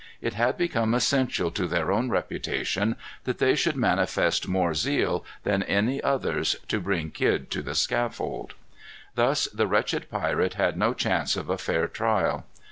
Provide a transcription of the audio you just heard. It had become essential to their own reputation that they should manifest more zeal than any others to bring Kidd to the scaffold. Thus the wretched pirate had no chance of a fair trial.